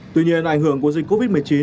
tuy nhiên ảnh hưởng của dịch covid một mươi chín